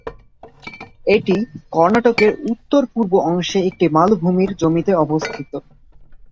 এটি কর্ণাটকের উত্তর-পূর্ব অংশে একটি মালভূমির জমিতে অবস্থিত।